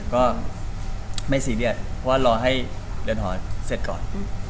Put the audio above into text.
ก็ไม่ซีเรียสเพราะว่ารอให้เดือนหอเสร็จก่อน